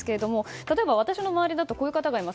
例えば私の周りだとこういう方がいます。